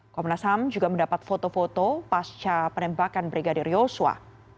komnas ham juga mendapat foto foto pasca penembakan brigadir yosua